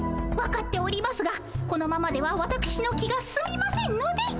分かっておりますがこのままではわたくしの気がすみませんので。